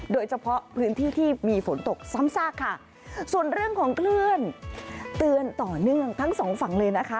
โดยเฉพาะพื้นที่ที่มีฝนตกซ้ำซากค่ะส่วนเรื่องของคลื่นเตือนต่อเนื่องทั้งสองฝั่งเลยนะคะ